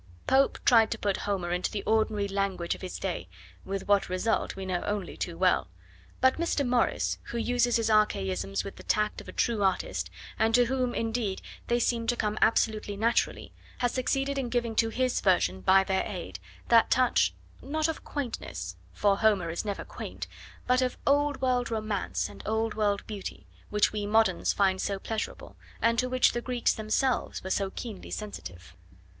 Pope tried to put Homer into the ordinary language of his day, with what result we know only too well; but Mr. Morris, who uses his archaisms with the tact of a true artist, and to whom indeed they seem to come absolutely naturally, has succeeded in giving to his version by their aid that touch, not of 'quaintness,' for Homer is never quaint, but of old world romance and old world beauty, which we moderns find so pleasurable, and to which the Greeks themselves were so keenly sensitive.